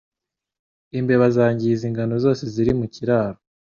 Imbeba zangiza ingano zose ziri mu kiraro